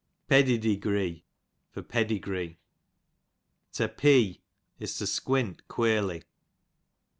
Pediditrree, for pedigree. To Pee, is to squint queerly.